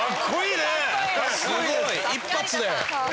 すごい一発で。